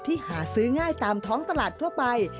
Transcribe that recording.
หาซื้อง่ายตามท้องตลาดทั่วไป